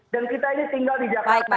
dan kita ini tinggal di jakarta